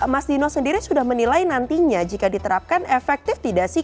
mas dino sendiri sudah menilai nantinya jika diterapkan efektif tidak sih